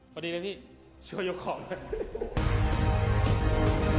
พอดีแล้วนี่ช่วยยกของกัน